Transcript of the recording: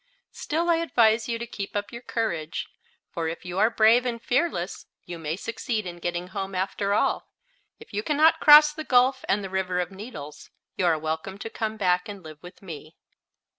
Still I advise you to keep up your courage, for if you are brave and fearless you may succeed in getting home, after all. If you can not cross the gulf and the River of Needles, you are welcome to come back and live with me."